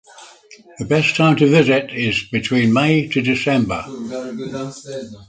The best time to visit is between May to December.